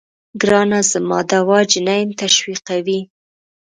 ګرانه زما دوا جنين تشويقوي.